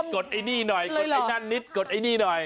กดไอ้นี่นิดนิดกดไอ้นี่หน่อย